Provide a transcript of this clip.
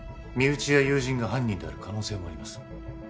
身内や友人が犯人である可能性もあります